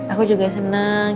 aku juga seneng